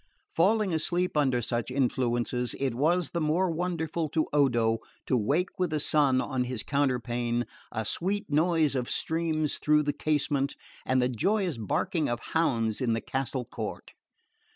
Falling asleep under such influences, it was the more wonderful to Odo to wake with the sun on his counterpane, a sweet noise of streams through the casement and the joyous barking of hounds in the castle court.